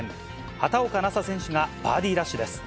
畑岡奈紗選手がバーディーラッシュです。